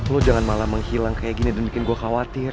lo jangan malah menghilang kayak gini dan bikin gue khawatir